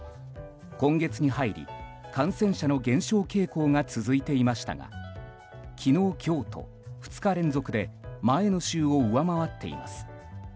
今月に入り、感染者の減少傾向が続いていましたが昨日今日と２日連続で前の週を上回っています。